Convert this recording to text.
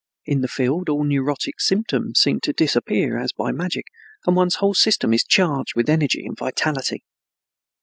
In the field all neurotic symptoms seem to disappear as by magic, and one's whole system is charged with energy and vitality.